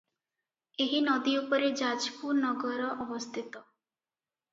ଏହି ନଦୀ ଉପରେ ଯାଜପୁର ନଗର ଅବସ୍ଥିତ ।